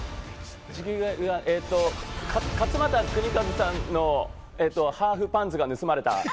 勝俣州和さんのハーフパンツが盗まれた。